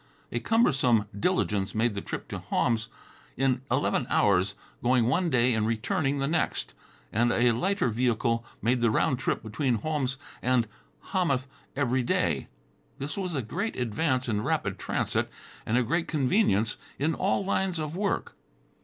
A cumbersome diligence made the trip to Homs in eleven hours, going one day and returning the next, and a lighter vehicle made the round trip between Homs and Hamath every day. This was a great advance in rapid transit and a great convenience in all lines of work.